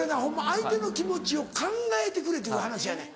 相手の気持ちを考えてくれっていう話やねん。